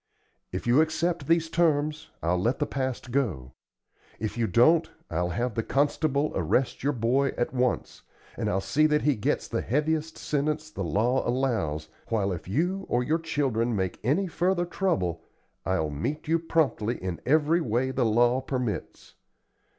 If you accept these terms, I'll let the past go. If you don't, I'll have the constable arrest your boy at once, and I'll see that he gets the heaviest sentence the law allows, while if you or your children make any further trouble, I'll meet you promptly in every way the law permits.